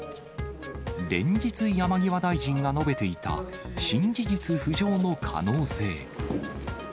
連日、山際大臣が述べていた新事実浮上の可能性。